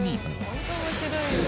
本当面白いよな。